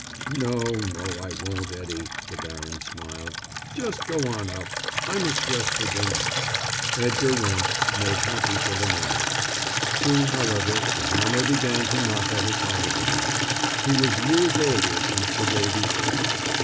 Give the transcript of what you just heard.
"No, no, I won't, Eddie," the baron smiled. "Just go on up. I must dress for dinner." Edgar went, made happy for the moment. Soon, however, the hammer began to knock at his heart again. He was years older since the day before.